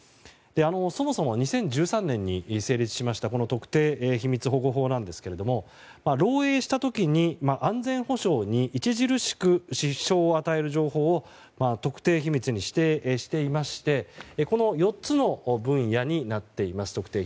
そもそも２０１３年に成立した特定秘密保護法なんですが漏洩した時に安全保障に著しく支障を与える情報を特定秘密に指定していましてこの４つの分野になっています。